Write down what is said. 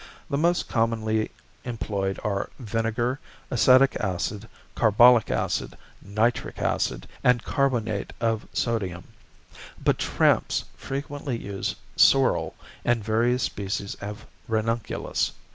The most commonly employed are vinegar, acetic acid, carbolic acid, nitric acid, and carbonate of sodium; but tramps frequently use sorrel and various species of ranunculus.